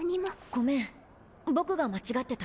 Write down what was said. ごめんボクが間違ってた。